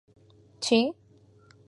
چی؟